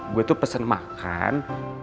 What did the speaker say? gue tuh pesen makan